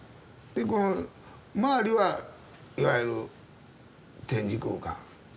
でこの周りはいわゆる展示空間。